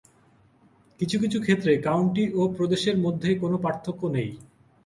কিছু কিছু ক্ষেত্রে কাউন্টি ও প্রদেশের মধ্যে কোনো পার্থক্য নেই।